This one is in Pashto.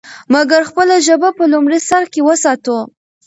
مګر خپله ژبه په لومړي سر کې وساتو.